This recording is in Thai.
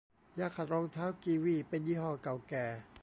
ยาขัดรองเท้ากีวีเป็นยี่ห้อเก่าแก่